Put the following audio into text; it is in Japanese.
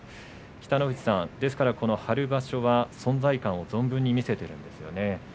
北の富士さんですから、春場所は存在感を存分に見せていますね。